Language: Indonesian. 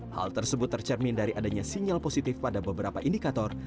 hal tersebut tercermin dari adanya sinyal positif pada beberapa indikator